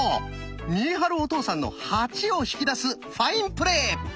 見栄晴お父さんの「８」を引き出すファインプレー。